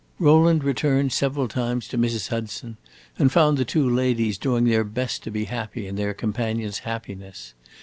Rowland returned several times to Mrs. Hudson's, and found the two ladies doing their best to be happy in their companion's happiness.